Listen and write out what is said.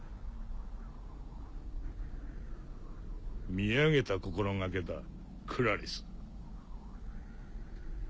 みあげた心がけだクラリス。